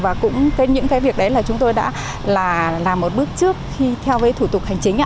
và cũng những cái việc đấy là chúng tôi đã là một bước trước khi theo với thủ tục hành chính